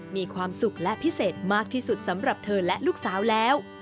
มีความสุขและพิเศษมากที่สุดสำหรับเธอและลูกสาวแล้ว